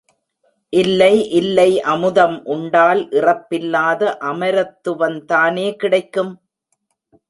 இல்லை இல்லை அமுதம் உண்டால் இறப்பில்லாத அமரத்துவந்தானே கிடைக்கும்?